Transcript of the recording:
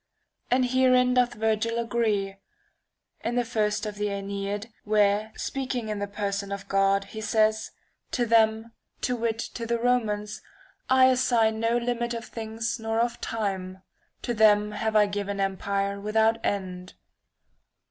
And herein doth Virgil agree, in the first of the JEneid^ where, speaking in the person of God, he says :' To them (to wit, to the Romans) I assign no limit of things nor of time. To them have I given empire without end.'